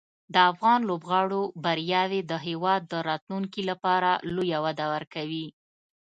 د افغان لوبغاړو بریاوې د هېواد د راتلونکي لپاره لویه وده ورکوي.